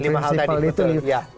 lima hal tadi betul